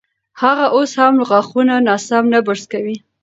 هغه اوس هم غاښونه ناسم نه برس کوي.